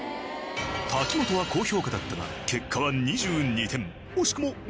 滝本は高評価だったが結果は２２点。